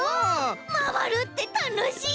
まわるってたのしい！